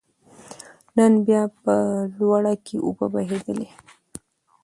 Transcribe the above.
نن بيا په لوړه کې اوبه بهېدلې